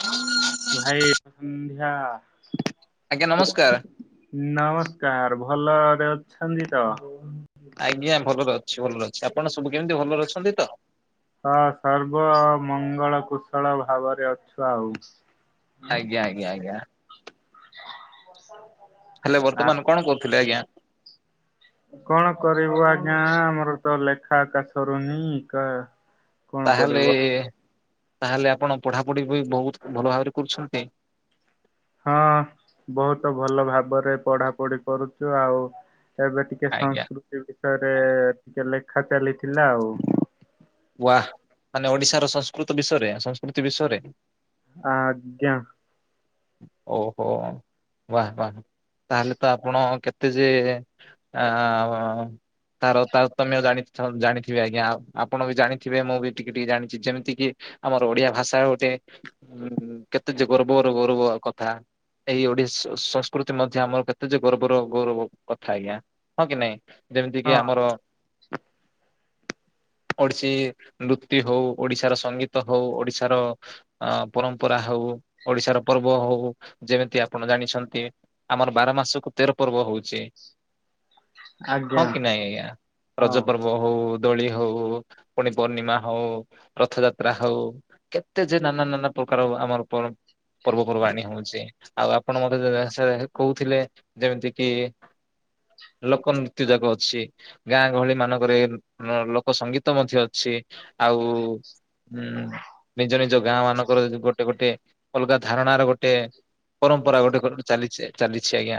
ଆ ଭାଇ ଶୁଭ ଆଜ୍ଞା ନମସ୍କାର। ସନ୍ଧ୍ୟା। ନମସ୍କାର ଭଲରେ ଅଛନ୍ତି ତ? ଆଜ୍ଞା ଭଲରେ ଅଛି ଭଲରେ ଅଛି। ଆପଣ ସବୁ କେମିତି ଭଲରେ ଅଛନ୍ତି ତ? ହଁ ସର୍ବ ମଙ୍ଗଳ କୁଶଳ ଭାବରେ ଅଛୁ ଆଉ। ଆଜ୍ଞା ଆଜ୍ଞା ଆଜ୍ଞା। ବର୍ଷା ହେଲେ ବର୍ତ୍ତମାନ କଣ କହୁଥିଲେ ଆଜ୍ଞା? କଣ କରିବୁ ଆଜ୍ଞା ଆମର ତ ଲେଖା କାଛରୁନି ତାହଲେ ତାହେଲେ ଆପଣ ପଢାପଢି ବି ବହୁତ ଭଲ ଭାବରେ କରୁଛନ୍ତି? ହଁ ବହୁତ ଭଲ ଭାବରେ ପଢାପଢି କରୁଛୁ ଆଉ ଏବେ ଟିକେ ଆଜ୍ଞା ସଂସ୍କୃତି ବିଷୟରେ ଟିକେ ଲେଖା ଚାଲିଥିଲା ଆଉ। ମାନେ ଓଡିଶାର ସଂସ୍କୃତ ବିଷୟରେ ସଂସ୍କୃତି ବିଷୟରେ ଆଜ୍ଞା। ଓହୋ ବାହ ବାହ ତାହେଲେ ତ ଆପଣ କେତେ ତ ଯେ ଅ ତାର ତାର ତମେ ଆଉ ଜାଣି ଜାଣିଥିବି ଆଜ୍ଞା। ଆପଣ ବି ଜାଣିଥିବେ, ମୁଁ ବି ଟିକେ ଟିକେ ଜାଣିଛି ଯେମିତି କି ଆମର ଓଡିଆ ଭାଷା ଗୋଟେ ଉଁ କେତେ କର କଥା ଏଇ ଓଡିଆ ସଂସ୍କୃତି ମଧ୍ୟ ଆମର କେତେ ଯେ ଗୌବର ଗୌରବ କଥା ଆଜ୍ଞା ହଁ କି ନାଇଁ? ଯେମିତି କିି ହଁ ଆମର ଓଡିଶୀ ନୃତ୍ୟ ହଉ ଓଡିଶାର ସଙ୍ଗୀତ ହଉ, ଓଡିଶାର ଅ ପରମ୍ପରା ହଉ। ଓଡିଶାର ପର୍ବ ହଉ ଯେମିତି ଆପଣ ଜାଣିଛନ୍ତି, ଆମର ବାର ମାସକୁ ତେର ପର୍ବ ହଉଛି ହଁ ଆଜ୍ଞା କି ନାଇଁ! ଆଜ୍ଞା ହଁ ରଜ ପର୍ବ ହଉ ଦୋଳି ହଉ। ପୁଣି ପୂର୍ଣ୍ଣିମା ହଉ, ରଥଯାତ୍ରା ହଉ, କେତେ ଯେ ନାନା ନାନା ପ୍ରକାର ଆମର ପୂର୍ବପୂର୍ବାଣି ହଉଛି। ଆଉ ଆପଣ ମତେ କହୁଥିଲେ ଯେମିତି କି ଲୋକ ନୃତ୍ୟ ଯାକ ଅଛି, ଗାଁ ଗହଳି ମାନଙ୍କରେ ଲୋକ ସଙ୍ଗୀତ ମଧ୍ୟ ଅଛି ଆଉ। ହୁଁ, ନିଜ ନିଜ ଗାଁ ମାନଙ୍କର ଗୋଟେ ଗୋଟେ ଅଲଗା ଧାରଣ ର ଗୋଟେ ପରମ୍ପରା ଗୋଟେ ଚାଲିଛି ଚାଲିଛି ଆଜ୍ଞା।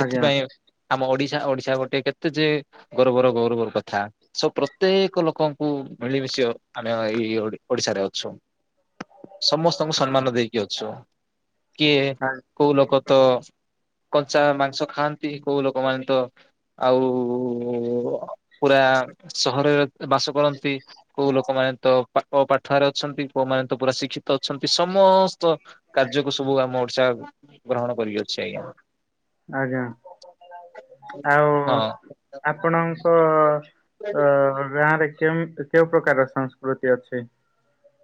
ଆଜ୍ଞା ଆମ ଓଡିଶା ଓଡିଶା ଗୋଟେ କେତେ ଯେ ଗୌରବର ଗୌରବର କଥା ସ ପ୍ରତ୍ୟେକ ଲୋକଙ୍କୁ ମିଳିମିଶି ଆମେ ଏଇ ଓଡିଶାରେ ଅଛୁ। ସମସ୍ତଙ୍କୁ ହଁ ସମ୍ମାନ ଦେଇକି ଅଛୁ। କିଏ କୋଉ ଲୋକ ତ କଞ୍ଚା ମାଂସ ଖାଆନ୍ତି, କୋଉ ଲୋକମାନେ ତ ଆଉ ପୁରା ସହରରେ ବାସ କରନ୍ତି କୋଉ ଲୋକମାନେ ତ ପାକ ପାଠୁଆରେ ଅଛନ୍ତି, କୋଉମାନେ ତ ପୁରା ଶିକ୍ଷିତ ଅଛନ୍ତି ସମସ୍ତ କାର୍ଯ୍ୟକୁ, ସବୁ ଆମ ଓଡିଶା ଗ୍ରହଣ କରିଅଛି ଆଜ୍ଞା। ଆଜ୍ଞା। ଆଉ ହଁ ଆପଣ କ ଗାଁରେ କେ କେଉଁ ପ୍ରକାର ସଂସ୍କୃତି ଅଛି?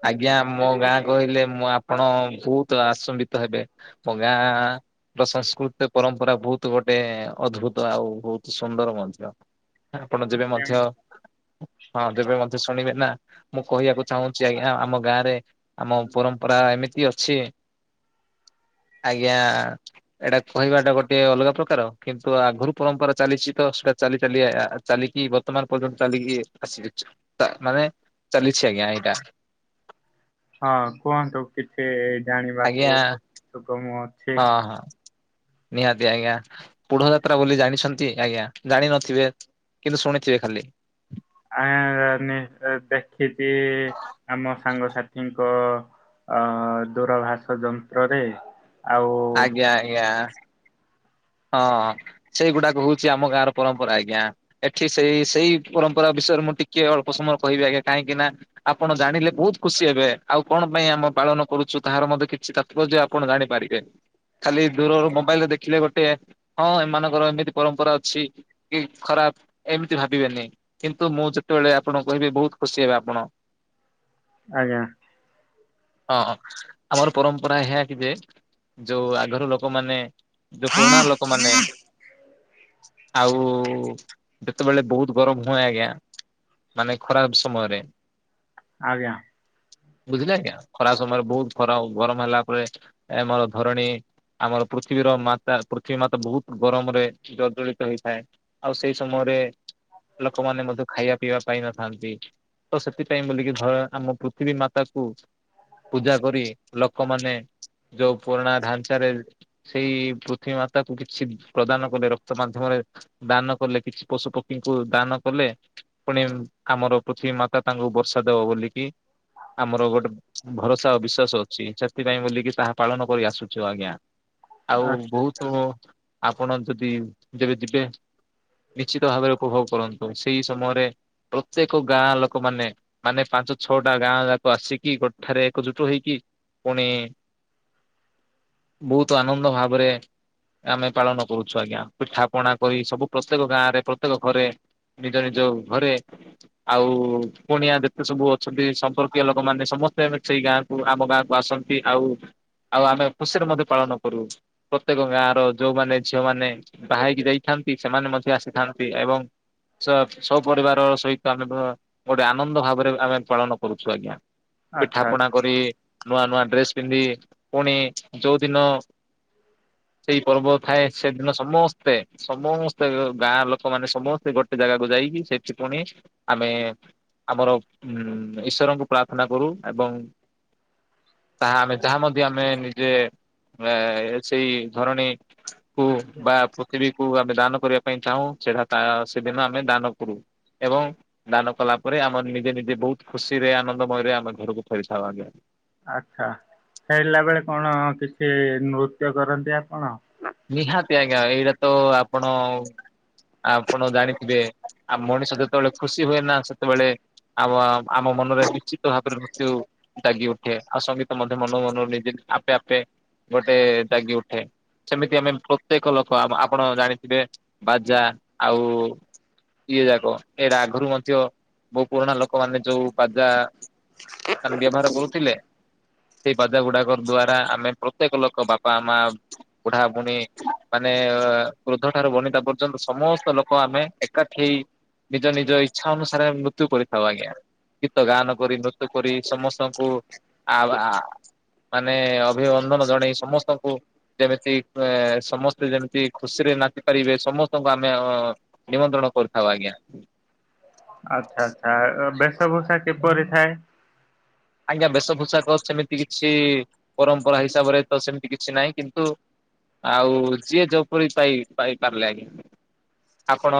ଆଜ୍ଞା ମୋ ଗାଁ କହିଲେ, ମୁଁ ଆପଣ ବହୁତ ଆଶମ୍ବିତ ହେବେ ମୋ ଗାଁ ସଂସ୍କୃତି ପରମ୍ପରା ବହୁତ ଗୋଟେ ଅଦଦ୍ଭୁତ ଆଉ, ବହୁତ ସୁନ୍ଦର ମଧ୍ୟ ଆପଣ ଯେବେ ମଧ୍ୟ ହଁ ଯେବେ ମଧ୍ୟ ଶୁଣିବେ ନା ମୁଁ କହିବାକୁ ଚାହୁଁଛି ଆଜ୍ଞା ଆମ ଗାଁ ରେ ଆମ ପରମ୍ପରା ଏମିତି ଅଛି। ଆଜ୍ଞା ଏଇଟା କହିବା ଟା ଗୋଟେ ଅଲଗା ପ୍ରକାର, କିନ୍ତୁ ଆଗରୁ ପରମ୍ପରା ଚାଲିଛି ତ ଚାଲି ଚା ଚାଲିକି ବର୍ତ୍ତମାନ ପର୍ଯ୍ୟନ୍ତ ଚାଲିକି ଆସିଅଛି ମାନେ ଚାଲିଛି ଆଜ୍ଞା ଏଇଟା ହଁ କୁହନ୍ତୁ କିଛି ଆଜ୍ଞା ଜାଣିବାକୁ ସୁଗମ ଅଛି। ହଁ ହଁ। ନିହାତି ଆଜ୍ଞା ପୁଢ ଯାତ୍ରା ବୋଲି ଜାଣିଛନ୍ତି ଆଜ୍ଞା ଜାଣିିନଥିବେ କିନ୍ତୁ ଶୁଣିଥିବେ ଖାଲି ଆ ଦେଖିଚି ଆମ ସାଙ୍ଗସାଥି କ ଦୂରଭାଷ ଯନ୍ତ୍ରରେ ଆଉ ଆଜ୍ଞା ଆଜ୍ଞା। ହଁ ସେଇଗୁଡାକ ହଉଛି ଆମ ଗାଁର ପରମ୍ପରା ଆଜ୍ଞା ଏଠି ସେଇ ସେଇ ପରମ୍ପରା ବି ବିଷୟରେ ମୁଁ ଟିକେ ଅଳ୍ପ ସମୟ କହିବି ଆଜ୍ଞା କାହିଁକିନା ଆପଣ ଜାଣିଲେ ବହୁତ ଖୁସି ହେବେ ଆଉ କଣ ପାଇଁ ଆମେ ପାଳନ କରୁଛୁ ତାହାର ମଧ୍ୟ କିଛି ତାତ୍ପର୍ଯ୍ୟ ଆପଣ ଜାଣିପାରିବେ। ଖାଲି ଦୂରରୁ ମୋବାଇଲରେ ଦେଖିଲେ ଗୋଟେ ହଁ ଏମାନଙ୍କର ଏମିତି ପରମ୍ପରା ଅଛି କି ଖରାପ ଏମିତି ଭାବିବେନି କିନ୍ କିନ୍ତୁ ମୁଁ ଯେତେବେଳେ ଆପଣଙ୍କୁ କହିବି ବହୁତ ଖୁସି ହେବେ ଆପଣ। ଆଜ୍ଞା। ହଁ ଆମର ପରମ୍ପରା ଏହା କି ଯେ ଯୋଉ ଆଗରୁ ଲୋକମାନେ ଯୋଉ ପୁରୁଣା ଲୋକମାନେ ଆଉ ଯେତେବେଳେ ବହୁତ ଗରମ ହୁଏ ଆଜ୍ଞା। ମାନେ ଖରାପ ସମୟରେ। ଆଜ୍ଞା। ବୁଝିଲେ ଆଜ୍ଞା ଖରାପ ସମୟରେ ବହୁତ ଖରା ଗରମ ହେଲା ପରେ ଏମର ଧରଣୀ ଆମର ପୃଥିବୀର ମା ତା ପୃଥିବୀ ମାତା ବହୁତ ଗରମରେ ଜଜଳିତ ହେଇଥାଏ ଆଉ ସେଇ ସମୟରେ ଲୋକମାନେ ମଧ୍ୟ ଖାଇବା ପିଇବା ପାଇଁ ନଥାନ୍ତି। ତ ସେଥିପାଇଁ ବୋଲିକି ଧ ଆମ ପୃଥିବୀ ମାତାକୁ ପୂଜା କରି ଲୋକମାନେ ଯୋଉ ପୁରୁଣା ଢାଞ୍ଚାରେ ସେଇ ପୁ ପୃଥିବୀ ମାତାକୁ କିଛି ପ୍ରଦାନ କଲେ ରକ୍ତ ମାଧ୍ୟମରେ ଦାନ କଲେ କିଛି ପଶୁ ପକ୍ଷୀଙ୍କୁ ଦାନ କଲେ। ତେ ପୁଣି ଆମର ପୃଥିବୀ ମାତା ତାଙ୍କୁ ବର୍ଷା ଦବ ବୋଲିକି ଆମର ଗୋଟେ ଭରସା ଆ ବିଶ୍ଵାସ ଅଛି ସେଥି ପାଇଁ ବୋଲି କି ତାହା ପାଳନ କରି ଆସୁଛୁ ଆଜ୍ଞା। ଆଉ ଆଚ୍ଛା ବହୁତ ଆପଣ ଯଦି ଯେବେ ଯିବେ। କିଛିତ ଭାବରେ ଉପଭୋଗ କରନ୍ତୁ ସେଇ ସମୟରେ ପ୍ରତ୍ୟେକ ଗାଁ ଲୋକ ମାନେ ମାନେ ପାଞ୍ଚ ଛଅଟା ଗାଁ ଯାକ ଆସିକି ଗୋଠାରେ ଏକଜୁଟ ହେଇକି ପୁଣି ବହୁତ ଆନନ୍ଦ ଭାବରେ ଆମେ ପାଳନ କରୁଛୁ ଆଜ୍ଞା ପିଠା ପଣା କରି ସବୁ ପ୍ରତ୍ୟେକ ଗାଁ ରେ ପ୍ରତ୍ୟେକ ଘରେ ନିଜ ନିଜ ଘରେ ଆଉ କୁଣିଆ ଯେତେ ସବୁ ଅଛନ୍ତି ସମ୍ପର୍କୀୟ ଲୋକମାନେ ସବୁ ସମସ୍ତେ ସେଇ ଗାଁକୁ ଆମ ଗାଁକୁ ଆସନ୍ତି ଆଉ ଆଉ ଆମେ ଖୁସିରେ ମଧ୍ୟ ପାଳନ କରୁ ପ୍ରତ୍ୟେକ ତାକ ଗାଁ ର ଯୋଉମାନେ ଝିଅମାନେ ବାହା ହେଇକି ଯାଇଥାନ୍ତି ସେମାନେ ମଧ୍ୟ ଆସିଥାନ୍ତି ଏବଂ ସବ ସବୁ ପରିବାର ସହିତ ଆମେ ଗୋଟେ ଆନନ୍ଦ ଭାବରେ ଆମେ ପାଳନ କରୁଛୁ ଆଜ୍ଞା। ପିଠା ଆଚ୍ଛା ପଣା କରି ନୂଆ ନୂଆ ଡ୍ରେସ ପିନ୍ଧି ପୁଣି ଯୋଉଦିନ ସେଇ ପର୍ବ ଥାଏ ସେଦିନ ସମସ୍ତେ ସମସ୍ତେ ଗାଁ ଲୋକ ମାନେ ସମସ୍ତେ ଗୋଟେ ଜାଗାକୁ ଯାଇକି ସେଥି ପୁଣି ଆମେ ଆମର ଉ ଈଶ୍ୱରଙ୍କୁ ପ୍ରାର୍ଥନା କରୁ ଏବଂ ତାହା ଆମେ ଯାହା ମଧ୍ୟ ଆମେ ନିଜେ ଆ ସେଇ ଧରଣୀ କୁ ବା ପୃଥିବୀକୁୁ ଆମେ ଦାନ କରିବା ପାଇଁ ଚାହୁଁ ସେଟା ତା ସେଦିନ ଆମେ ଦାନ କରୁ। ଏବଂ ଦାନ କଲା ପରେ ଆମେ ନିଜେ ନିଜେ ବହୁତ ଖୁସିରେ ଆନନ୍ଦମୟରେ ଆମେ ଘରକୁ ଫେରିଥାଉ ଆଜ୍ଞା। ଆଛା ଫେରିଲା ବେଳେ କଣ କିଛି ନୃତ୍ୟ କରନ୍ତି ଆପଣ? ନିହାତି ଆଜ୍ଞା ଏଇଟା ତ ଆପଣ ଆପଣ ଜାଣିଥିବେ ଆ ମଣିଷ ଯେତେବେଳେ ଖୁସି ହୁଏ ନା ସେତେବେଳେ ଆମ ଆମ ମନରେ ନିଶ୍ଚିତ ଭାବରେ ମୃତ୍ୟୁ ଜାଗି ଉଠେ ଆଉ ସଙ୍ଗୀତ ମଧ୍ୟ ମନ ମନ ନିଜେ ଆପେ ଆପେ ଗୋଟେ ଦାଗି ଉଠେ। ସେମିତି ଆମେ ପ୍ରତ୍ୟେକ ଲୋକ ଆପଣ ଜାଣିଥିବେ ବାଜା ଆଉ ଇଏ ଯାକ ଏଇଟା ଆଗରୁ ମଧ୍ୟ ମୋ ପୁରୁଣା ଲୋକମାନୋନେ ଯୋଉ ବାଜା ମାନେ ବ୍ୟବହାର କରୁଥିଲେ। ସେଇ ବାଜା ଗୁଡାକ ଦ୍ଵାରା ଆମେ ପ୍ରତ୍ୟେକ ଲୋକ ବାପା ମାଆ ବୁଢାବୁଣି ମାନେ ଏ ବୃଦ୍ଧ ଠାରୁ ବନିତା ପର୍ଯ୍ୟନ୍ତ ସମସ୍ତ ଲୋକ ଆମେ ଏକାଠି ନିଜ ନିଜ ଇଚ୍ଛା ଅନୁସାରେ ମୃତ୍ୟୁ କରିଥାଉ ଆଜ୍ଞା। ଗୀତ ଗାନ କରି ମୃତ୍ୟୁ କରି ସମସ୍ତଙ୍କୁ ଆ ଆ ମାନେ ଅଭିଅନ୍ଦନ ଜଣେଇ ସମସ୍ତଙ୍କୁ ଯେମିତି ଏ ସମସ୍ତେ ଯେମିତି ଖୁସିରେ ନାଚି ପାରିବେ ସମସ୍ତଙ୍କୁ ଆମେ ଅ ନିମନ୍ତ୍ରଣ କ ରିଥାଉ ଆଜ୍ଞା। ଆଚ୍ଛା ଆଚ୍ଛା ବେଶଭୂଷା କିପରି ଥାଏ? ଆଜ୍ଞା ବେଶପୋଷାକ ସେମିତି କିଛି ପରମ୍ପରା ହିସାବରେ ତ ସେମିତି କିଛି ନାହିଁ କିନ୍ତୁ ଆଉ ଯିଏ ଜୋଉପରି ପାଇ ପାଇ ପାରିଲେ ଆଜ୍ଞା। ଆପଣ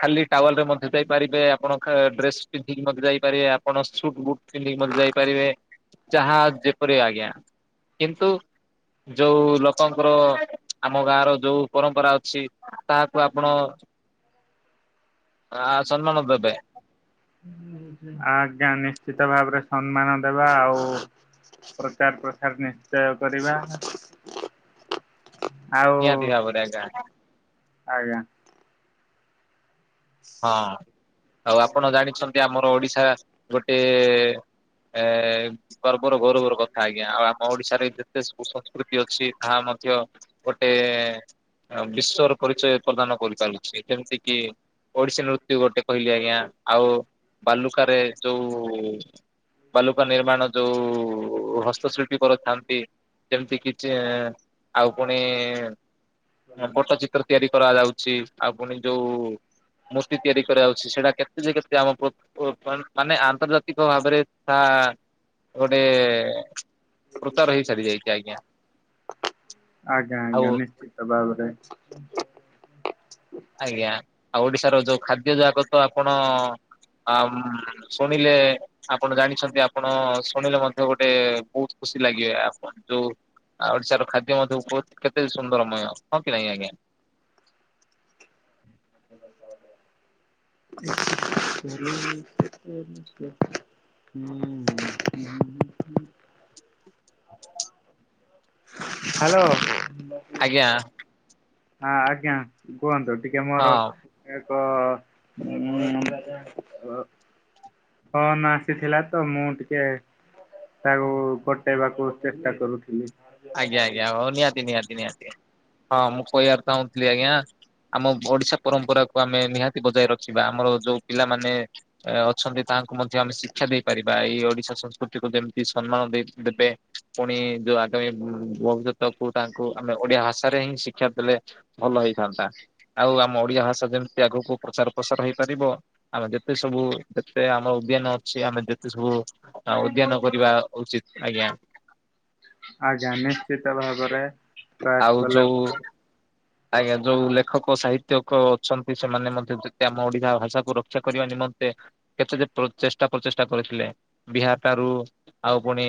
ଖାଲି ଟାୱଲ ରେ ମଧ୍ୟ ଯାଇପାରିବେ ଆପଣ ଡ୍ରେସ ପିନ୍ଧିକି ମଧ୍ୟ ଯାଇପାରିବେ ଆପ୍ ପଣ ସୁଟ ବୁଟ ପିନ୍ଧିକି ମ ଯାଇପାରିବେ ଯାହା ଯେପରି ଆଜ୍ଞା କିନ୍ତୁ ଯୋଉ ଲୋକଙ୍କର ଆମ ଗାଁ ର ଯୋଉ ପରମ୍ପରା ଅଛି ତାହାକୁ ଆପଣ ଆ ସମ୍ମାନ ଦେବେ। ଆଜ୍ଞା ନିଶ୍ଚିତ ଭାବରେ ସମ୍ମାନ ଦେବା ଆଉ। ପ୍ରଚାର ପ୍ରସାର ନିଶ୍ଚୟ କରିବା। [inaudible] ଆଉ ନିଆତି ଭାବରେ ଆଜ୍ଞା। ଆଜ୍ଞା। ହଁ ଆଉ ଆପଣ ଜାଣିଛନ୍ତି ଆମର ଓଡିଶା ଗୋଟେ ଏ ଗର୍ବର ଗୌରବର କଥା ଆଜ୍ଞା ଆଉ ଆମ ଓଡିଶାରେ ଯେତେ ସବୁ ସଂସ୍କୃତି ଅଛି ତାହା ଆମ ମଧ୍ୟ ଗୋଟେ ବିଶ୍ଵର ପରିଚୟ ପ୍ରଦାନ କରିପାରୁଛି ଯେମିତି କିି? ଓଡିଶୀ ନୃତ୍ୟୁ ଗୋଟେ କହିଲି ଆଜ୍ଞା ଆଉ ବାଲୁକାରେ ଯୋଉ ବଲୁକା ନିର୍ମାଣ ଯୋଉ ହସ୍ତଶିଳ୍ପୀ କରିଥାନ୍ତି ଯେମିତି କିଛି ଆଉ ପୁଣି ଫଟଚିତ୍ର ତିଆରି କରାଯାଉଛି ଆଉ ପୁଣି ଯୋଉ। ମୂର୍ତ୍ତି ତିଆରି କରାଯାଉଛି ସେଇଟା କେତେ ଯେ କେତେ ଆମ ପୁ-ପୁ ମାନେ ଆନ୍ତର୍ଜାତିକ ଭାବରେ ଆ ଆ ଗୋଟେ [unintelligible] ହେଇ ସାରି ଯାଇଛି ଆଜ୍ଞା। ଆଜ୍ଞା ଆଉ ଆଜ୍ଞା ନିଶ୍ଚିତ ଭାବରେ। ଆଜ୍ଞା ଆଉ ଓଡିଶାର ଯୋଉ ଖାଦ୍ୟ ଯାକ ତ ଆପଣ ଆମ ସୁଣିଲେ ଆପଣ ଜାଣିଛନ୍ତି ଆପଣ ସୁଣିଲେ ମଧ୍ୟ ଗୋଟେ ବହୁତ ଖୁସି ଲାଗିବେ ଆପଣ ଯୋଉ। ଆଉ ଓଡିଶାର ଖାଦ୍ୟ ମଧ୍ୟ ଉ ପ କେତେ ସୁନ୍ଦରମୟ ହଁ କି ନାଇଁ ଆଜ୍ଞା? [unintelligible] ହୁଁ। ହ୍ୟାଲୋ। ଆଜ୍ଞା। ହଁ ଆଜ୍ଞା କୁହନ୍ତୁ, ଟିକେ ହଁ ମୋର [inaudible] ଫୋନ୍ ଆସିଥିଲା ତ ମୁଁ ଟିକେ ତାକୁ କଟେଇବାକୁ ଚେଷ୍ଟା କରୁଥିଲି। ଆଜ୍ଞା ଆଜ୍ଞା! ହଉ ନିହାତି ନିହାତି ନିହାତି ହଁ ମୁଁ କହିବାକୁ ଚାହୁଁଥିଲି ଆଜ୍ଞା। ଆମ ଓଡିଶା ପରମ୍ପରାକୁୁ ଆମେ ନିହାତି ବଜାୟ ରଖିବା। ଆମର ଯୋଉ ପିଲାମାନେ ଅଛନ୍ତି ତା ତାଙ୍କୁ ମଧ୍ୟ ଆମେ ଶିକ୍ଷା ଦେଇପାରିବା। ଏଇ ଓଡିଶା ସଂସ୍କୃତିକୁ ଯେମିତି ସମ୍ମାନ ଦେଇ ଦେବେ ପୁଣି ଯୋଉ ତ ଭବିଷ୍ୟତ କୁ ତାଙ୍କୁ ଆମେ ଓଡିଆ ଭାଷାରେ ହିଁ ଶିକ୍ଷା ଦେଲେ ଭଲ ହେଇଥାନ୍ତା। ଆଉ ଆମ ଓଡିଆ ଭାଷା ଯେମିତି ଆଗକୁ ପ୍ରଚାର ପ୍ରସାର ହେଇପାରିବ। ଆମେ ଯେତେ ସବୁ ଯେତେ ଆମ ଉଦ୍ୟାନ ଅଛି। ଆମେ ଯେତେ ସବୁ ଉଦ୍ୟାନ କରିବା ଉଚିତ ଆଜ୍ଞା। ଆଜ୍ଞା ନିଶ୍ଚିତ ଭାବରେ ଆଉ ପ୍ରୟାସ କଲେ ଯୋଉ ଭଲ। ଆଜ୍ଞା ଯୋଉ ଲେଖକ ସାହିତ୍ୟକ ଅଛନ୍ତି। ସେମାନେ ମଧ୍ୟ ଯେତେ ଆମ ଓଡିଆ ଭାଷା କୁ ରକ୍ଷା କରିବା ନିମ ନ୍ତେ କେତେ ଯେ ପ୍ରଚେଷ୍ଟା ପ୍ରଚେଷ୍ଟା କରିଥିଲେ। ବିହାର ଟାରୁ ଆଉ ପୁଣି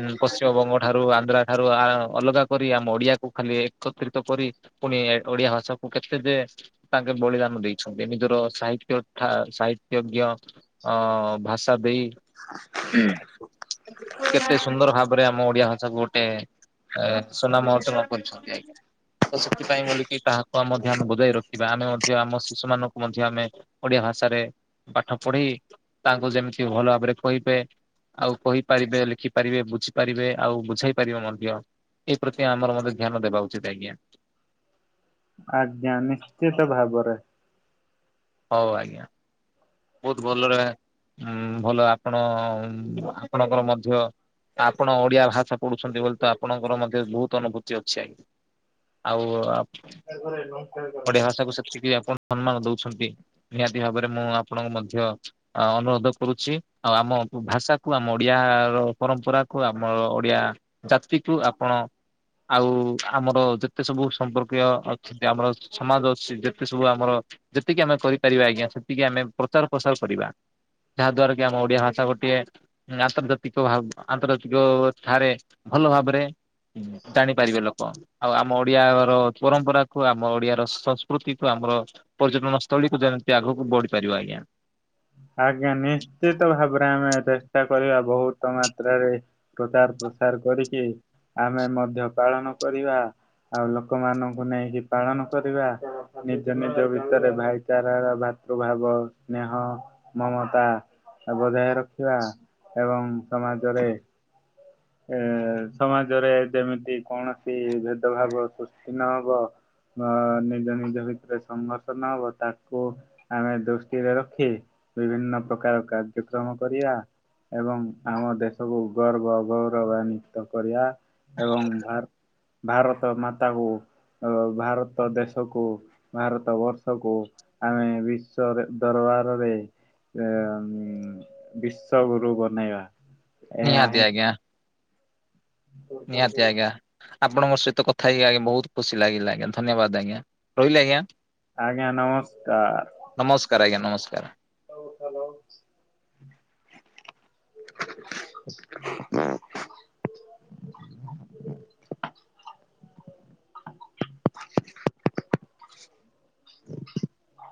ଉ ପଶ୍ଚିମବଙ୍ଗ ଠାରୁ ଆନ୍ଧ୍ରା ଠାରୁ ଆ ଅଲଗା କରି। ଆମ ଓଡିଆକୁ ଖାଲି ଏକତ୍ରି ତ କରି, ପୁଣି ଓଡିଆ ଭାଷାକୁ କେତେ ଯେ ତାଙ୍କେ ବଳିଦାନ ଦେଇଛନ୍ତି। ନିଜର ସାହିତ୍ୟ ତା ସାହିତ୍ୟଜ୍ଞ ଅ ଭାଷା ଦେଇ କେତେ ସୁନ୍ଦର ଭାବରେ ଆମ ଓଡିଆ ଭାଷାକୁ ଗୋଟେ ଅ ସୁନାମ ଅର୍ଜନ କରିଛନ୍ତି ଆଜ୍ଞା। ତ ସେଥିପାଇଁ ବୋଲିକି ତାହାକୁ ଆମ ଧ୍ୟାନ ବଜାଇ ଆମେ ରଖିବା ଆମେ ମଧ୍ୟ ଆମ ଶିଶୁ ମାନଙ୍କୁ ମଧ୍ୟ ଆମେ ଓ ଓଡିଆ ଭାଷାରେ ପାଠ ପଢେଇ ତାଙ୍କୁ ଯେମିତି ଭଲ ଭାବରେ କହିବେ। ଆଉ କହିପାରିବେ ଲେଖିପାରିବେ ବୁଝିପାରିବେ ଆଉ ବୁଝାଇ ପାରିବେ ମଧ୍ୟ। ଏଇ ପ୍ରତି ଆମର ମଧ୍ୟ ଧ୍ୟାନ ଦେବା ଉଚିତ ଆଜ୍ଞା। ଆଜ୍ଞା ନିଶ୍ଚିତ ଭାବରେ। ହୋଉ ଆଜ୍ଞା। ବୋହୁତ ଭଲରେ ଉଁ ଭଲ ଆପଣ ଆପଣଙ୍କର ମଧ୍ୟ ଆପଣ ଓଡିଆ ଭାଷା ପଢୁଛନ୍ତି ବୋଲି ତ ଆପଣଙ୍କର ମଧ୍ୟ ବୋହୁତ ଅନୁଭୂତି ଅଛି ଆଜ୍ଞା। ଆଉ ଆ ଓଡିଆ ଭାଷାକୁୁ ସେତିକି ଆପଣ ସମ୍ମାନ ଦୋଉଛନ୍ତି, ନିହାତି ଭାବରେ ମୁଁ ଆପଣଙ୍କୁ ମଧ୍ୟ ଅ ଅନୁରୋଧ କରୁଛି ଆଉ ଆମ ଉ ଭାଷାକୁ, ଆମ ଓଡିଆର ପରମ୍ପରାକୁ, ଆମ ଓଡିଆ ଜାତିକୁ, ଆପଣ ଆଉ ଆମର ଯେତେ ସବୁ ସମ୍ପର୍କୀୟ ଅଛନ୍ତି ଆମର ସମାଜ ଅଛି ଯେତେ ସବୁ ଆମର ଯେତିକି ଆମେ କରିପାରିବା ଆଜ୍ଞା ସେତିକି ଆମେ ପ୍ରଚାର ପ୍ରସାର କରିବା। ଯାହା ଦ୍ଵାରା କି ଆମ ଓଡିଆ ଭାଷା ଗୋଟିଏ ଉଁ ଆନ୍ତର୍ଜାତିକ ଭାବ ଆନ୍ତର୍ଜାତିକ ଠାରେ ଭଲ ଭାବରେ ଉଁ ଜାଣି ପାରିବେ ଲୋକ ଆଉ ଆମ ଓଡିଆର ପରମ୍ପରାକୁୁ, ଆମ ଓଡିଆର ସଂସ୍କୃତିକୁ ଆମର ପର୍ଯ୍ୟଟନ ସ୍ଥଳୀକୁ ଯେମିତି ଆଗକୁ ବଢି ପାରିବ ଆଜ୍ଞା। ଆଜ୍ଞା ନିଶ୍ଚିତ ଭାବରେ ଆମେ ଚେଷ୍ଟା କରିବା ବୋହୁତ ମାତ୍ରାରେ ପ୍ରଚାର ପ୍ର ପ୍ରସାର କରିକି ଆମେ ମଧ୍ୟ ପାଳନ କରିବା। ଆଉ ଲୋକମାନଙ୍କୁ ନେଇକି ପାଳନ କରିବା ନିଜ ନିଜ ଭିତରେ ଭାଇଚାରାର ବାର୍ ଭାବ, ସ୍ନେହ ମମତା ବଜାୟ ରଖିବା ଏବଂ ସମାଜରେ ଏ ସମାଜରେ ଯେମିତି କୌଣସି ଭେଦଭାବ ସୃଷ୍ଟି ନହବ ଅ ନିଜ ନିଜ ଭିତରେ ସଂଘର୍ଷ ନହବ ତାକୁ ଆମେ ଦୃଷ୍ଟିରେ ରଖି ବିଭିନ୍ନ ପ୍ରକାର କାର୍ଯ୍ୟକ୍ରମ କରିବା ଏବଂ ଆମ ଦେଶକୁ ଗର୍ବ ଆଉ ଗୌ ଗୌରବାନ୍ୱିତ କରିବା ଏବଂ ଭାର ଭାରତ ମାତାକୁ ଅ ଭାରତ ଦେଶକୁ ଭାରତ ବର୍ଷକୁ ଆମେ ବିଶ୍ଵରେ ଦର ବାରରେ ଏମ୍ ବିଶ୍ୱଗୁରୁ ବନେଇବା। ଏହା ନିହାତି ହିଁ ଆଜ୍ଞା। ନିହାତି ଆଜ୍ଞା। ଆପଣଙ୍କ ସହିତ କଥା ହେଇକି ଆଜ୍ଞା ବୋହୁତ ଖୁସି ଲାଗିଲା ଆଜ୍ଞା ଧନ୍ୟବାଦ ଆଜ୍ଞା ରହିଲେ ଆଜ୍ଞା। ଆଜ୍ଞା ନମସ୍କାର। ନମସ୍କାର ଆଜ୍ଞା ନମସ୍କାର। ହୋଉ ହଲୋ। ହଁ